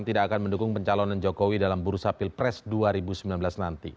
tidak akan mendukung pencalonan jokowi dalam buru sapil pres dua ribu sembilan belas nanti